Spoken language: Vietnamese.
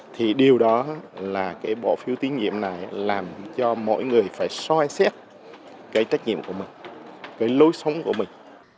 thì điều đó là cái bộ phiêu tiết nhiệm này làm cho mỗi người phải xoay xét cái trách nhiệm của mình cái lối sống của mình